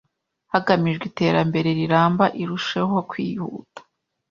hagamijwe iterambere riramba irusheho kwihuta